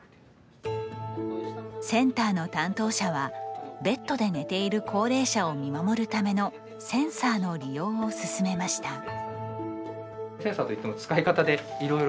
センターの担当者はベッドで寝ている高齢者を見守るためのセンサーの利用を勧めました。